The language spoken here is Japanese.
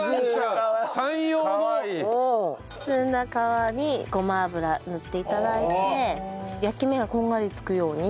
包んだ皮にごま油塗って頂いて焼き目がこんがりつくように。